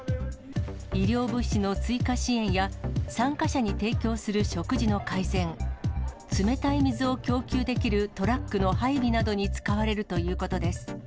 医療物資の追加支援や、参加者に提供する食事の改善、冷たい水を供給できるトラックの配備などに使われるということです。